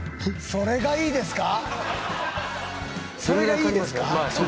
それがいいですか！？